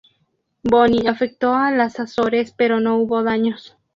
Bonnie afectó a las Azores pero no hubo daños.